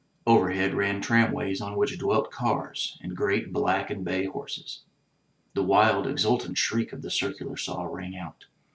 Overhead ran tramways on 126 THE TREASURE CHEST which dwelt cars and great black and bay horses. The wild exultant shriek of the circular saw rang out.